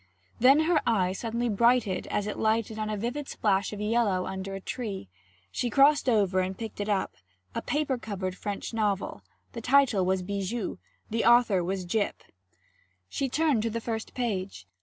Then her eye suddenly brightened as it lighted on a vivid splash of yellow under a tree. She crossed over and picked it up a paper covered French novel; the title was Bijou, the author was Gyp. She turned to the first page.